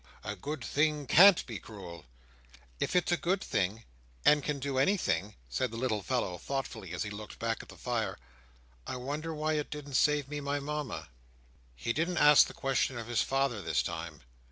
A good thing can't be cruel." "If it's a good thing, and can do anything," said the little fellow, thoughtfully, as he looked back at the fire, "I wonder why it didn't save me my Mama." He didn't ask the question of his father this time.